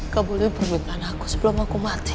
kamu boleh permintaan aku sebelum aku mati